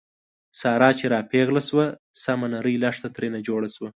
ساره چې را پېغله شوه، سمه نرۍ لښته ترېنه جوړه شوه.